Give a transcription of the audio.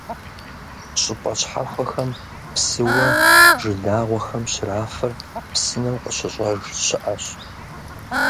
ЩӀыпӀэ щхьэхуэхэм псыуэ жылагъуэхэм щрафыр псынэу къыщьӀщӀэж щыӀэщ.